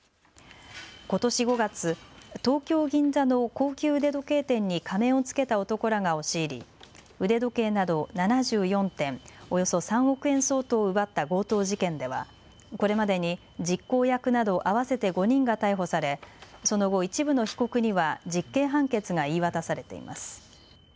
ことし５月、東京・銀座の高級腕時計店に仮面をつけた男らが押し入り腕時計など７４点およそ３億円相当を奪った強盗事件ではこれまでに実行役など合わせて５人が逮捕されその後、一部の被告には実刑判決が言い渡されています。